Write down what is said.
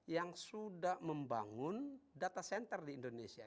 yang sudah membangun data center di indonesia